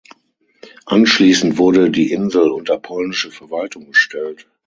Anschließend wurde die Insel unter polnische Verwaltung gestellt.